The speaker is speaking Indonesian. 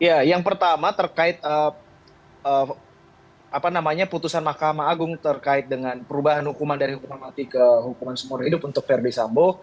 ya yang pertama terkait putusan mahkamah agung terkait dengan perubahan hukuman dari hukuman mati ke hukuman seumur hidup untuk verdi sambo